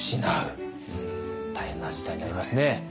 大変な事態になりますね。